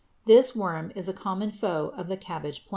This worm is a common foe of the cabbage plant.